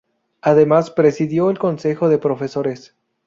Además, presidió el consejo de profesores.